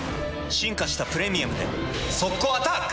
進化した「プレミアム」で速攻アタック！